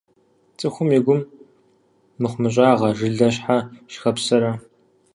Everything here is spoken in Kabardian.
Цӏыхум и гум мыхъумыщӏагъэ жылэ щхьэ щыхэпсэрэ?